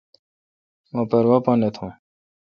مہ پروا پا نہ تھو۔